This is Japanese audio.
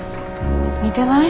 似てない？